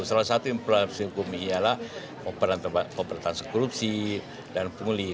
salah satu implementasi hukum ialah pemberantasan korupsi dan pengulih